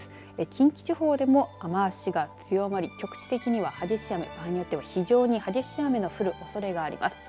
近畿地方でも雨足が強まり局地的には激しい雨場合によっては非常に激しい雨の降るおそれがあります。